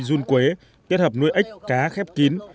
dung quế kết hợp nuôi ếch cá khép kín